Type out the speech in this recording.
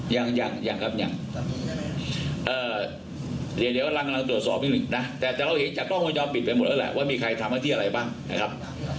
ยังยังครับยังเดี๋ยวกำลังตรวจสอบนิดหนึ่งนะแต่เราเห็นจากกล้องวงจรปิดไปหมดแล้วแหละว่ามีใครทำหน้าที่อะไรบ้างนะครับ